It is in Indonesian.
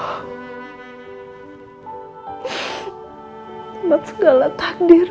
semoga segala takdir